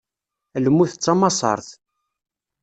Lmut d tamassaṛt.